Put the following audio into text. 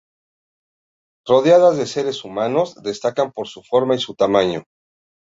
Rodeadas de seres humanos, destacan por su forma y su tamaño.